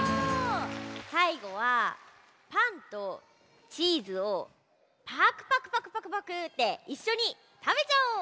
さいごはパンとチーズをパクパクパクパクパクっていっしょにたべちゃおう！